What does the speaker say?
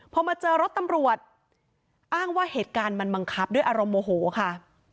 พอมาเจอรถตำรวจอ้างว่าเหตุการณ์มันบังคับด้วยอารมณ์โมโหค่ะ